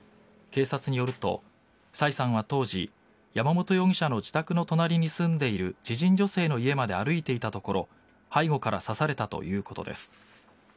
警察によると崔さんは当時山本容疑者の自宅の隣に住んでいる知人女性の家まで歩いていたところ背後から刺されたということです。